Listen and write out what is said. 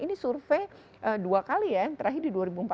ini survei dua kali ya yang terakhir di dua ribu empat belas